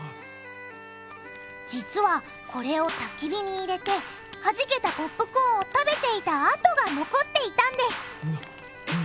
実はこれをたき火に入れてはじけたポップコーンを食べていた跡が残っていたんですななんだって？